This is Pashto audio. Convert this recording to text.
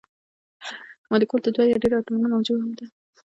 مالیکول د دوه یا ډیرو اتومونو مجموعه ده.